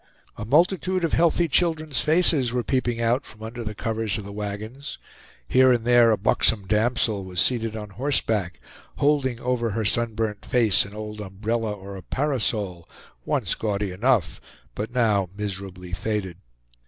A multitude of healthy children's faces were peeping out from under the covers of the wagons. Here and there a buxom damsel was seated on horseback, holding over her sunburnt face an old umbrella or a parasol, once gaudy enough but now miserably faded.